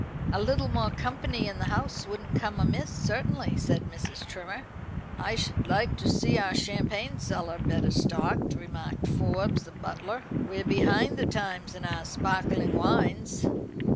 "A little more company in the house wouldn't come amiss, certainly," said Mrs. Trimmer. "I should like to see our champagne cellar better stocked," remarked Forbes the butler. "We're behind the times in our sparkling wines."